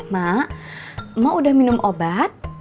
mak mau udah minum obat